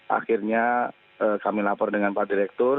akhirnya kami lapor dengan pak direktur